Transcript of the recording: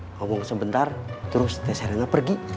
ngomong sebentar terus teh serengga pergi